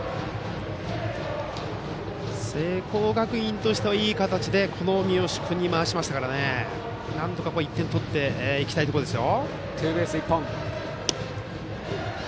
聖光学院としてはいい形で三好君に回しましたからなんとか１点を取っていきたいところです。